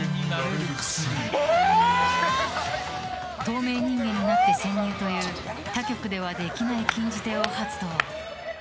透明人間になって潜入という他局ではできない禁じ手を発動！